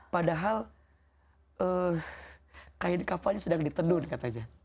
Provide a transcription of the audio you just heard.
padahal kain kafalnya sedang ditenun katanya